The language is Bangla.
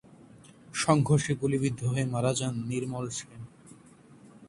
সংঘর্ষে গুলিবিদ্ধ হয়ে মারা যান নির্মল সেন।